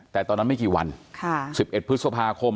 แต่ตอนนั้นไม่กี่วันค่ะสิบเอ็ดพฤษภาคม